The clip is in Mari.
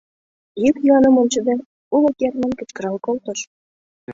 Йӱк-йӱаным ончыде, уло кертмын кычкырал колтыш: